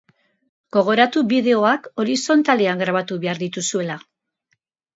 Gogoratu bideoak horizontalean grabatu behar dituzuela.